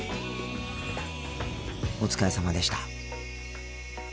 お疲れさまでした。